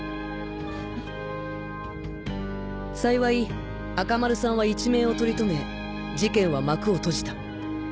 幸い赤丸さんは一命を取り留め事件は幕を閉じた